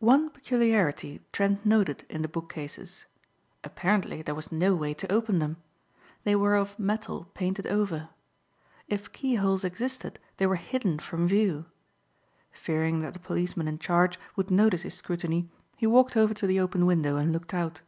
One peculiarity Trent noted in the book cases. Apparently there was no way to open them. They were of metal painted over. If keyholes existed they were hidden from view. Fearing that the policeman in charge would notice his scrutiny, he walked over to the open window and looked out.